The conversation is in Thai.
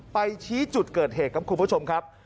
ชี้จุดเกิดเหตุครับคุณผู้ชมครับ